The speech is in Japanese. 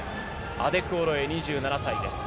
アデクオロエ、２７歳です。